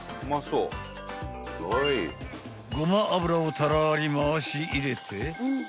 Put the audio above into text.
［ごま油をたらり回し入れて］